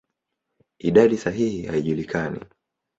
Idadi sahihi haijulikani.